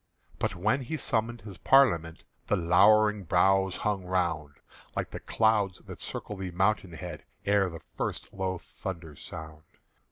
But when he summoned his Parliament, The lowering brows hung round, Like clouds that circle the mountain head Ere the first low thunders sound.